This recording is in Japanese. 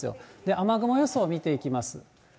雨雲予想、見ていきます。